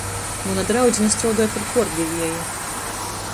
Muna draudzine struodoj par puordevieju.